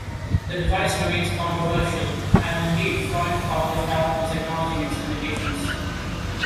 The device remains controversial, and indeed Freund published articles acknowledging its limitations.